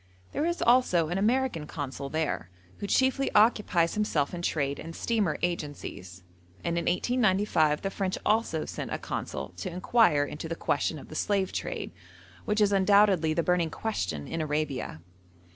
There is also an American Consul there, who chiefly occupies himself in trade and steamer agencies, and in 1895 the French also sent a Consul to inquire into the question of the slave trade, which is undoubtedly the burning question in Arabia.